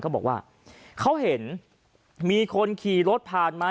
เขาบอกว่าเขาเห็นมีคนขี่รถผ่านมา